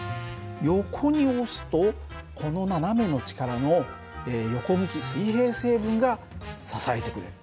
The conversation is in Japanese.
横に押すとこの斜めの力の横向き水平成分が支えてくれる。